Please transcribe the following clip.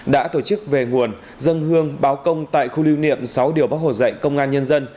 đã tổ chức về nguồn dân hương báo công tại khu lưu niệm sáu điều bác hồ dạy công an nhân dân